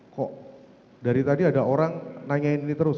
kok dari tadi ada orang nanyain ini terus